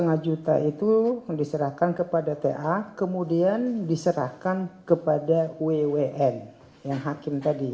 rp lima juta itu diserahkan kepada ta kemudian diserahkan kepada wwn yang hakim tadi